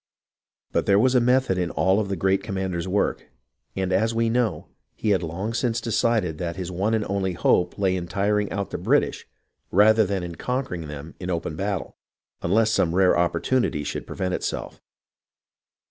But there was a method in all of the great commander's work ; and, as we know, he had long since decided that his one and only hope lay in tiring out the British rather than in conquering them in open battle, unless some rare oppor tunity should present itself.